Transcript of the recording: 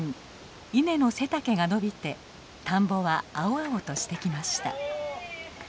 稲の背丈が伸びて田んぼは青々としてきました。